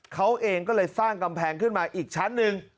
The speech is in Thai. เขาเองก็เลยสร้างกำแพงขึ้นมาอีกชั้นหนึ่ง